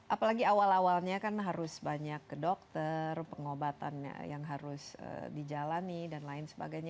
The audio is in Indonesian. apalagi awal awalnya kan harus banyak ke dokter pengobatan yang harus dijalani dan lain sebagainya